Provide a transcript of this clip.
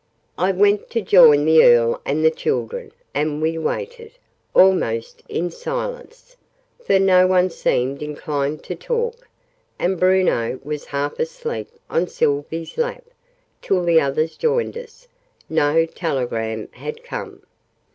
I went to join the Earl and the children, and we waited almost in silence, for no one seemed inclined to talk, and Bruno was half asleep on Sylvie's lap till the others joined us. No telegram had come.